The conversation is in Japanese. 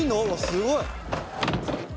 すごい！え！